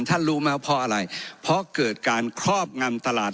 รู้ไหมเพราะอะไรเพราะเกิดการครอบงำตลาด